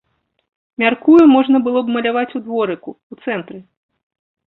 Мяркую, можна было б маляваць у дворыку, у цэнтры.